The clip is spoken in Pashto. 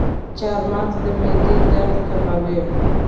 چارمغز د معدې درد کموي.